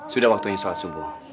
sudah waktunya sholat subuh